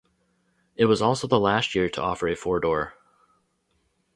It was also the last year to offer a four-door.